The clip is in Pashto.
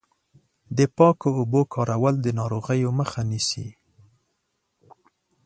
د پاکو اوبو کارول د ناروغیو مخه نیسي.